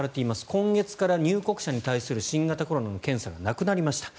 今月から入国者に対する新型コロナの検査はなくなりました。